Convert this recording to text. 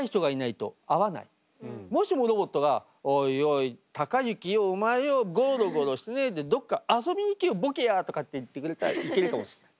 もしもロボットが「おいおい貴之よお前よごろごろしてねえでどっか遊びに行けよボケや」とかって言ってくれたら行けるかもしれない。